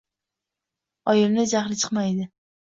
Oyimni jahli chiqmaydi.